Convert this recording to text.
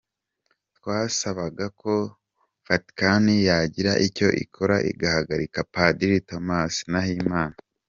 twasabagako Vatican yagira icyo ikora igahagarika Padiri Thomas Nahimana.